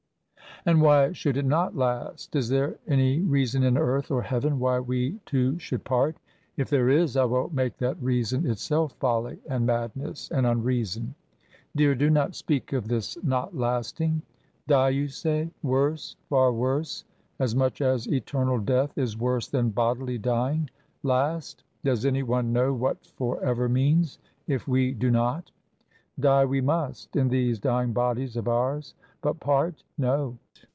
"And why should it not last? Is there any reason, in earth or Heaven, why we two should part? If there is I will make that reason itself folly, and madness, and unreason. Dear, do not speak of this not lasting. Die, you say? Worse, far worse; as much as eternal death is worse than bodily dying. Last? Does any one know what for ever means, if we do not? Die, we must, in these dying bodies of ours, but part no.